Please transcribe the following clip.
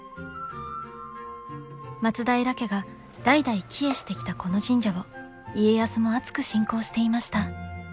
松平家が代々帰依してきたこの神社を家康もあつく信仰していました。